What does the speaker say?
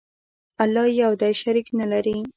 الله یو دی، شریک نه لري.